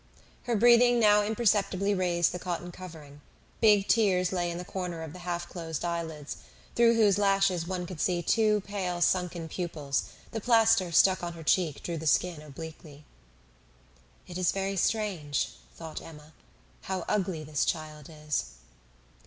Her breathing now imperceptibly raised the cotton covering. Big tears lay in the corner of the half closed eyelids, through whose lashes one could see two pale sunken pupils; the plaster stuck on her cheek drew the skin obliquely. "It is very strange," thought Emma, "how ugly this child is!"